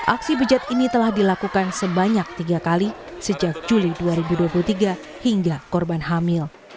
aksi bejat ini telah dilakukan sebanyak tiga kali sejak juli dua ribu dua puluh tiga hingga korban hamil